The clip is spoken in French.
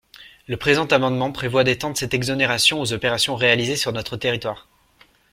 Le présent amendement prévoit d’étendre cette exonération aux opérations réalisées sur notre territoire.